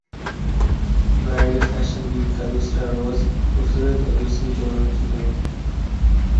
bridal fashion week کا دوسرا روز خوبصورت عروسی جوڑوں کی دھوم